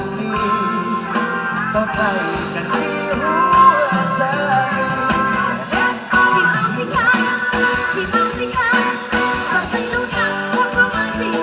ถึงเอาสิค่ะถึงเอาสิค่ะ